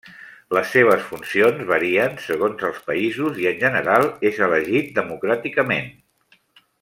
Les seves funcions varien segons els països i en general és elegit democràticament.